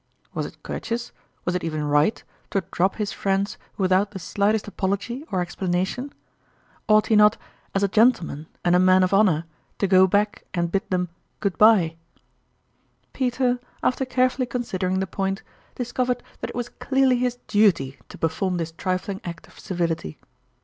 Was it courteous, was it even right, to drop his friends without the slightest apology or explanation? Ought he not, as a gentleman and a man of honor, to go back and bid them " Good by \" Peter, after carefully consider ing the point, discovered that it was clearly his duty to perform this trifling act of civility.